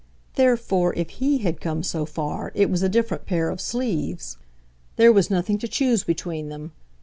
Therefore if HE had come so far it was a different pair of sleeves. There was nothing to choose between them.